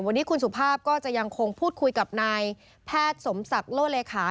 วันนี้คุณสุภาพก็จะยังคงพูดคุยกับนายแพทย์สมศักดิ์โลเลขา